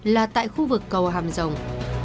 là tại khu vực cầu hàm rồng